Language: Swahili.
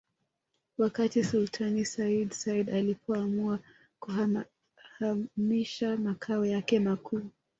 Wakati Sultani Sayyid Said alipoamua kuhamisha makao yake makuu